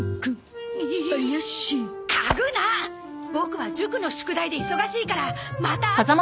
ボクは塾の宿題で忙しいからまたあと。